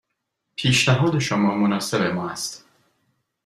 پیشنهاد شما مناسب ما است.